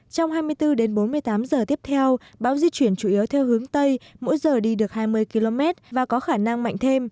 trong hai mươi bốn đến bốn mươi tám giờ tiếp theo bão di chuyển chủ yếu theo hướng tây mỗi giờ đi được hai mươi km và có khả năng mạnh thêm